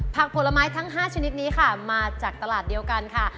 ผลไม้ทั้ง๕ชนิดนี้ค่ะมาจากตลาดเดียวกันค่ะ